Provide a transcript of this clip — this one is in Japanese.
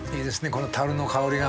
このたるの香りが。